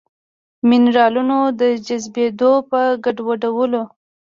د مېنرالونو د جذبېدو په ګډوډولو